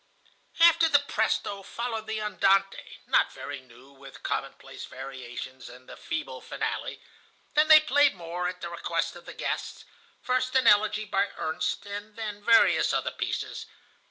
"After the presto followed the andante, not very new, with commonplace variations, and the feeble finale. Then they played more, at the request of the guests,—first an elegy by Ernst, and then various other pieces.